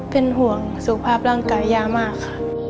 เป็นห่วงสุขภาพร่างกายย่ามากค่ะ